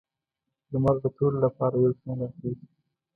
لمر د ټولو لپاره یو شان راخیږي.